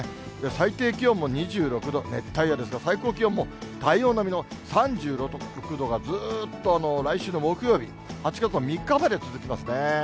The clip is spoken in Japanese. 最低気温も２６度、熱帯夜ですが、最高気温も体温並みの３６度がずーっと来週の木曜日、８月の３日まで続きますね。